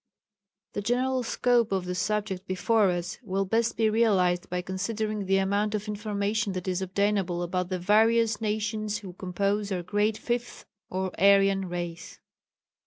The general scope of the subject before us will best be realized by considering the amount of information that is obtainable about the various nations who compose our great Fifth or Aryan Race.